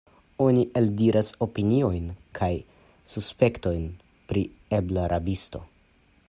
Oni eldiras opiniojn kaj suspektojn pri ebla rabisto.